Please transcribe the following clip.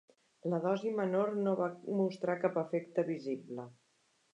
La dosi menor no va mostrar cap efecte visible.